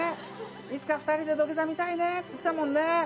いつか２人で土下座見たいねつってたもんね。